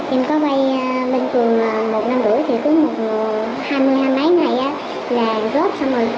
em có vay bình thường một năm rưỡi thì cứ hai mươi hai mươi mấy ngày là góp xong rồi